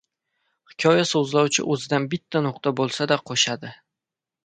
Hikoya soʻzlovchi oʻzidan bitta nuqta boʻlsa-da qoʻshadi.